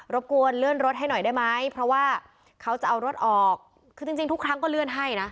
บกวนเลื่อนรถให้หน่อยได้ไหมเพราะว่าเขาจะเอารถออกคือจริงทุกครั้งก็เลื่อนให้นะ